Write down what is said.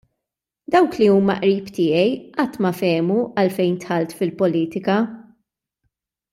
Dawk li huma qrib tiegħi qatt ma fehmu għalfejn dħalt fil-politika.